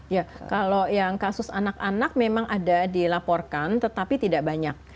ya kalau yang kasus anak anak memang ada dilaporkan tetapi tidak banyak